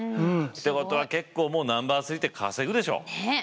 ってことは結構もうナンバー３って稼ぐでしょう？ね！